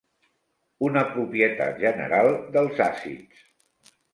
Una propietat general dels àcids.